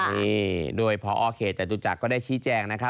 นี่โดยพอ้อเขตจตุจักร